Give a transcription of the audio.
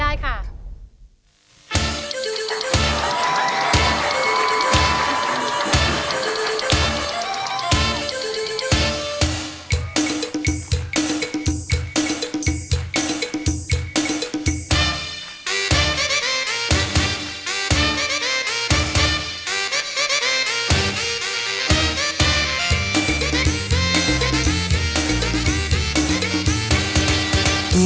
ก็ไม่น่าต้องดู